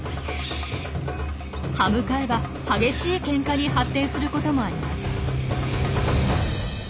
刃向かえば激しいケンカに発展することもあります。